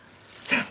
さあ！